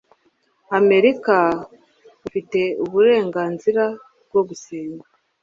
amerika ufite uburenganzira bwo gusenga